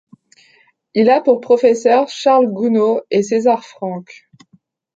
Il a pour professeurs Charles Gounod et César Franck.